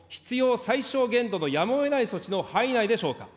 最小限度のやむをえない措置の範囲内でしょうか。